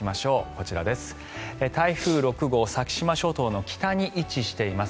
こちらです、台風６号先島諸島の北に位置しています。